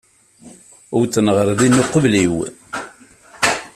Uwḍen ɣer din uqbel-iw.